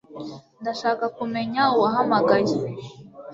Ndashaka kumenya uwahamagaye